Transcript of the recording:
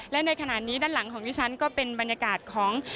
และในขณะนี้ด้านหลังของดิฉันก็เป็นบรรยากาศของ